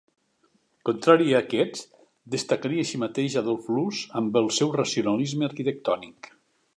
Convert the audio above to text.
Contrari a aquests, destacaria així mateix Adolf Loos amb el seu racionalisme arquitectònic.